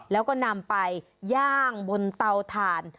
แล้วก็นำไปย่างบนเตาถ่าน